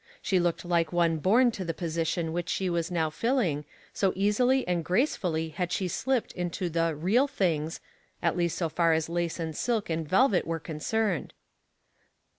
She looked like one born to the position which she was now filling, so easily and grace fully had she slipped into the " real " things, at least so far as lace and silk and velvet were concerned.